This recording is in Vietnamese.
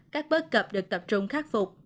các bớt cập được tập trung khắc phục